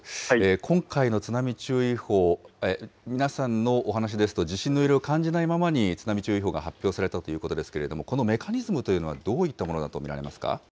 今回の津波注意報、皆さんのお話ですと、地震の揺れを感じないままに、津波注意報が発表されたということですけれども、このメカニズムというのは、どういったものだと見られますか。